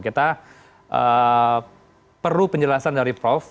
kita perlu penjelasan dari prof